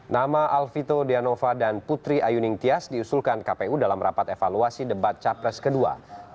nama alvito dianova dan putri ayuning tias diusulkan kpu dalam rapat evaluasi debat capres kedua